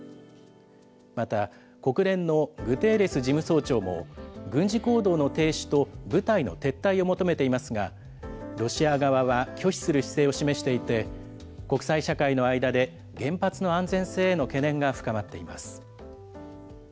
また国連のグテーレス事務総長も、軍事行動の停止と部隊の撤退を求めていますが、ロシア側は拒否する姿勢を示していて、国際社会の間で、原発の安全性への懸念が深まっています。